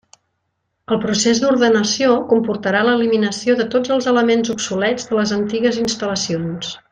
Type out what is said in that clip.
El procés d'ordenació comportarà l'eliminació de tots els elements obsolets de les antigues instal·lacions.